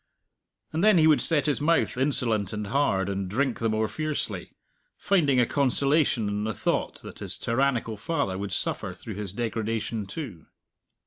And then he would set his mouth insolent and hard, and drink the more fiercely, finding a consolation in the thought that his tyrannical father would suffer through his degradation too.